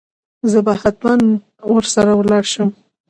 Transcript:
زه به هتمن ور سره ولاړ شم.